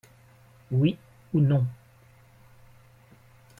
Oui ou non.